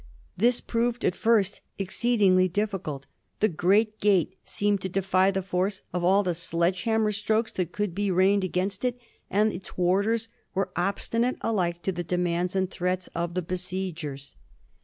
This proved at first exceedingly difficult. The great gate seemed to defy the force of all the sledge hammer strokes that could be rained against it, and its warders were obstinate alike to the demands and the threats of the besiegers.